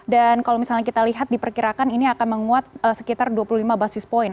dan kalau misalnya kita lihat diperkirakan ini akan menguat sekitar dua puluh lima basis point